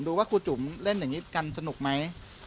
ดูว่าครูจุ๋มเล่นอย่างนี้กันสนุกไหม